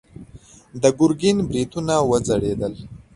د ګرګين برېتونه وځړېدل.